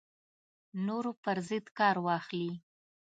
نورو پر ضد کار واخلي